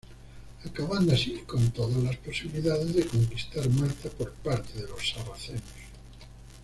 Acabando así con todas las posibilidades de conquistar Malta por parte de los sarracenos.